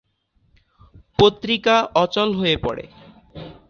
পত্রিকা অচল হয়ে পড়ে।